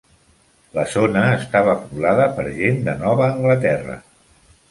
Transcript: La zona estava poblada per gent de Nova Anglaterra.